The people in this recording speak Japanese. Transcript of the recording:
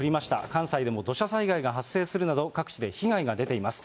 関西でも土砂災害が発生するなど、各地で被害が出ています。